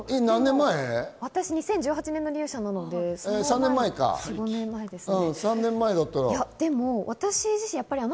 ２０１８年入社なので４５年前ですね。